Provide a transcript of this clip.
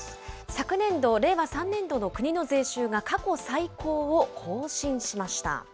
昨年度・令和３年度の国の税収が過去最高を更新しました。